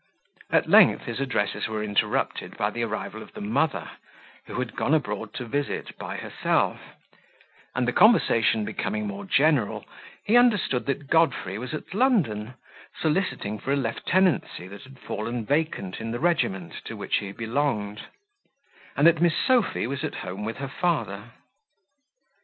At length his addresses were interrupted by the arrival of the mother, who had gone abroad to visit by herself; and the conversation becoming more general, he understood that Godfrey was at London, soliciting for a lieutenancy that had fallen vacant in the regiment to which he belonged; and that Miss Sophy was at home with her father.